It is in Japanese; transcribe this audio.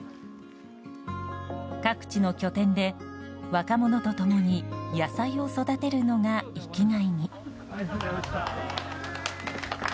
各地の拠点で若者と共に野菜を育てるのが生きがいに。